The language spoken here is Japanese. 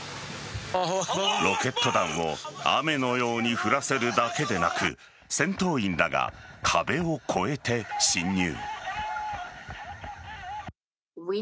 ロケット弾を雨のように降らせるだけでなく戦闘員らが壁を越えて侵入。